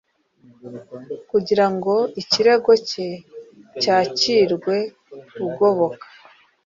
Kugira ngo ikirego cye cyakirwe ugoboka